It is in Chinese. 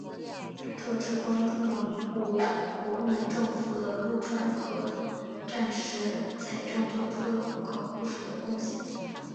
这至关重要一步为国民政府的入川和战时财政作出了不可忽视的贡献。